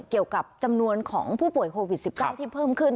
เกี่ยวกับจำนวนของผู้ป่วยโควิด๑๙ที่เพิ่มขึ้น